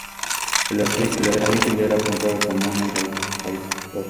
El Springfield era apuntado con ayuda de un alza pivotante.